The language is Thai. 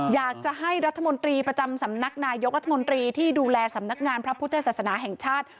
อยากจะให้รัฐมนตรีประจำสำนักนายกรัฐมนตรีที่ดูแลสำนักงานพระพุทธศาสนาแห่งชาติ